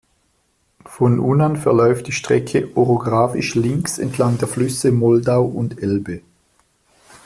Von nun an verläuft die Strecke orografisch links entlang der Flüsse Moldau und Elbe.